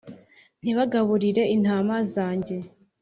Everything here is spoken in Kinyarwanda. ntibagaburire intama zanjye